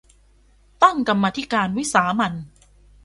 ตั้งกรรมาธิการวิสามัญ